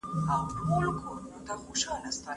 ولسي ملاتړ تر هر څه زيات حکومت پياوړی کوي.